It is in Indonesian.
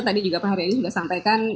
tadi juga pak hari adi sudah sampaikan